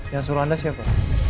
yang suruh anda siapa